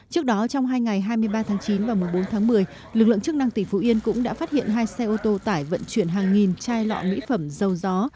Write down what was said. trước đó trong hai ngày hai mươi ba tháng chín và một mươi bốn tháng một mươi lực lượng chức năng tỉnh phú yên cũng đã phát hiện hai xe ô tô tải vận chuyển hàng nghìn chai lọ mỹ phẩm dầu gió